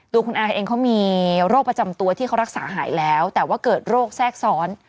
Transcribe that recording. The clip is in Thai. ตัวคุณอายเองเขามีโรคประจำตัวที่เขารักษาหายแล้วแต่ว่าเกิดโรคแทรกซ้อน